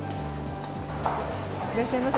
いらっしゃいませ。